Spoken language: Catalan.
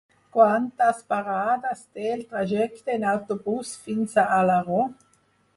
Quantes parades té el trajecte en autobús fins a Alaró?